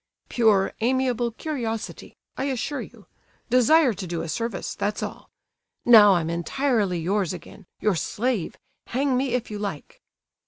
"Pure amiable curiosity,—I assure you—desire to do a service. That's all. Now I'm entirely yours again, your slave; hang me if you like!"